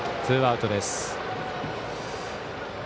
ツーアウトです。